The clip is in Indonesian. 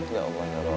ya allah ya allah